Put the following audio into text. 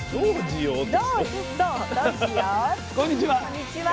こんにちは。